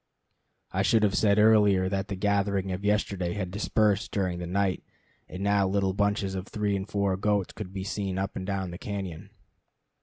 I should have said earlier that the gathering of yesterday had dispersed during the night, and now little bunches of three and four goats could be seen up and down the cañon.